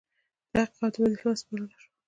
تحقیقاتو وظیفه وسپارله شوه.